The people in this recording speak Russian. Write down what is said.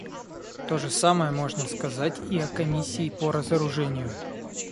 То же самое можно сказать и о Комиссии по разоружению.